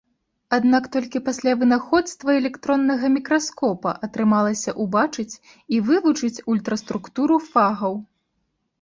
Аднак толькі пасля вынаходства электроннага мікраскопа атрымалася ўбачыць і вывучыць ультраструктуру фагаў.